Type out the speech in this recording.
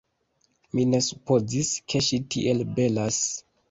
Mi ne supozis, ke ŝi tiel belas.